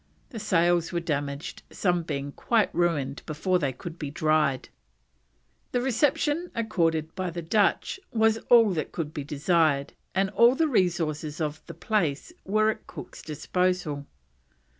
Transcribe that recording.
The sails were damaged, some being quite ruined before they could be dried. The reception accorded by the Dutch was all that could be desired, and all the resources of the place were at Cook's disposal.